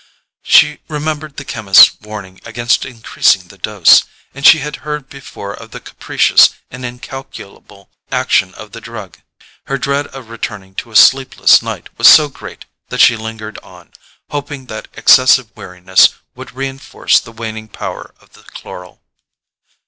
She remembered the chemist's warning against increasing the dose; and she had heard before of the capricious and incalculable action of the drug. Her dread of returning to a sleepless night was so great that she lingered on, hoping that excessive weariness would reinforce the waning power of the chloral.